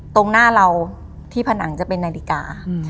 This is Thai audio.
ตรงหน้าเราที่ผนังจะเป็นนาฬิกา